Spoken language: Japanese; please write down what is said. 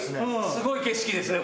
すごい景色ですね。